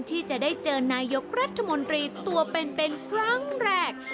ที่จะได้เจอนายกรัฐมนตรีตัวเป็นครั้งแรก